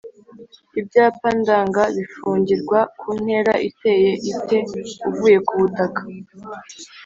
Ibyapa ndanga bifungirwa ku ntera iteye ite uvuye kubutaka?